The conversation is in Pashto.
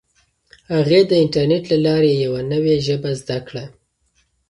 هغې د انټرنیټ له لارې یوه نوي ژبه زده کړه.